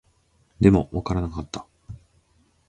でも、わからなかった